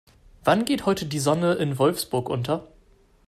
Wann geht heute die Sonne in Wolfsburg unter?